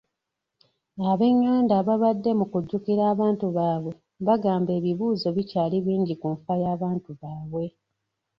Ab'enganda ababadde mu kujjukira abantu baabwe, bagamba ebibuuzo bikyali bingi ku nfa y'abantu baabwe.